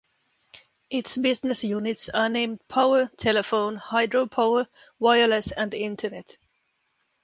Its business units are named Power, Telephone, Hydro-Power, Wireless, and Internet.